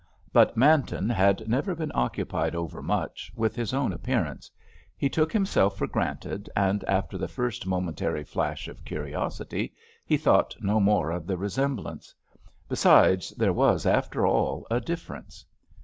But Manton had never been occupied over much with his own appearance; he took himself for granted, and after the first momentary flash of curiosity he thought no more of the resemblance. Besides, there was, after all, a difference.